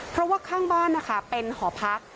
เพราะว่าข้างบ้านนะคะเป็นหอพัก